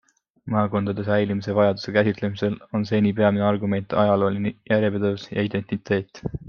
Maakondade säilimise vajaduse käsitlemisel on seni peamine argument ajalooline järjepidevus ja identiteet.